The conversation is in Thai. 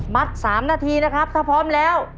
๓นาทีนะครับถ้าพร้อมแล้ว